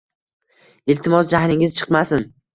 Iltimos, jahlingiz chiqmasin.